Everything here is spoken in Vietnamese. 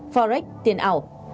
forex tiền ảo